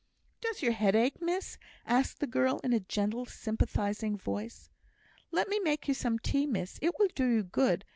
"Does your head ache, miss?" asked the girl, in a gentle, sympathising voice. "Let me make you some tea, miss, it will do you good.